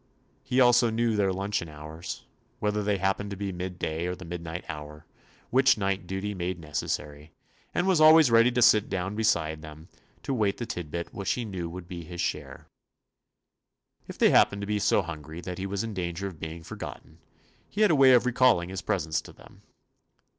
He also knew their luncheon hours, whether they happened to be the midday or the midnight hour, which night duty Mice and rats hardly dared to show themselves. made necessary, and was always ready to sit down beside them to await the tidbit which he knew would be his share. If they happened to be so hungry that he was in danger of being forgotten, he had a way of re 55 THE AD\'EXTURES OF calling his presence to them.